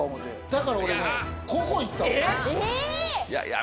だから俺ねここいったろう。